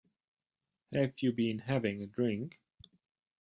Have you been having a drink?